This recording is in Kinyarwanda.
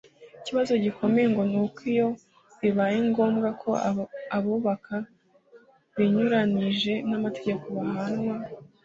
Ikibazo gikomeye ngo nuko iyo bibaye ngombwa ko abubaka binyuranije n’amategeko bahanwa